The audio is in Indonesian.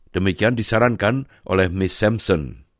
demikian disarankan oleh miss samson